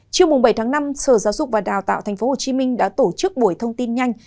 chiều bảy năm sở giáo dục và đào tạo tp hcm đã tổ chức buổi thông tin nhanh